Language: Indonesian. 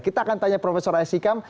kita akan tanya profesor aisyikam